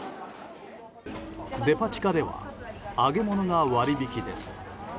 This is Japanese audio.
デパ地下では揚げ物が割引です。